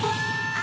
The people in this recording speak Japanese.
あ！